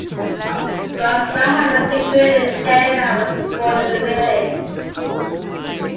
Bob Braham, a decorated airman, was born in the village.